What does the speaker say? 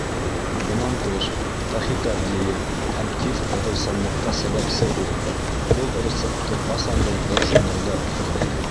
Бынан тыш, тахикардия һәм тиҙ ҡыҙыусанлыҡҡа сәбәпсе ул. Был рецептты ҡасандыр бер журналда уҡығайным.